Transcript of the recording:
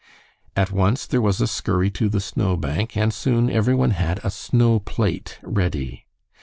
At once there was a scurry to the snowbank, and soon every one had a snow plate ready.